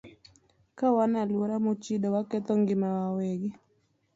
Ka wan e alwora mochido, waketho ngimawa wawegi.